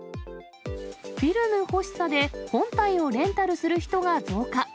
フィルム欲しさで本体をレンタルする人が増加。